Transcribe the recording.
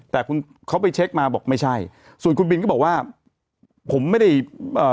แต่คุณเขาไปเช็คมาบอกไม่ใช่ส่วนคุณบินก็บอกว่าผมไม่ได้เอ่อ